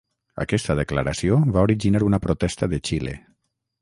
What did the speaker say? Aquesta declaració va originar una protesta de Xile.